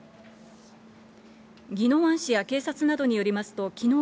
宜野湾市や警察などによりますと、きのう